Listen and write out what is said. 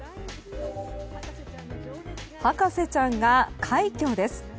「博士ちゃん」が快挙です。